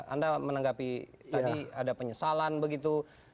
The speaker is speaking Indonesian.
anda menanggapi tadi ada penyesalan begitu